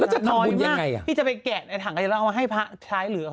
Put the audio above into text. แล้วจะทำบุญยังไงอ่ะน้อยมากที่จะไปแกะในถังกันแล้วเอามาให้พระชัยหรือ